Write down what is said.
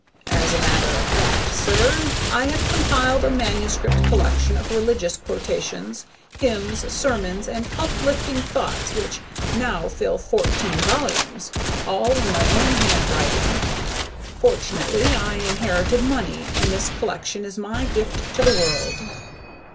As a matter of fact, sir, I have compiled a manuscript collection of religious quotations, hymns, sermons and uplifting thoughts which now fill fourteen volumes, all in my own handwriting. Fortunately, I inherited money, and this collection is my gift to the world."